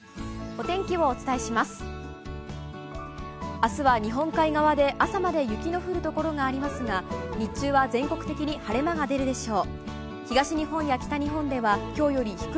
明日は日本海側で、朝まで雪の降るところがありますが日中は全国的に晴れ間が出るでしょう。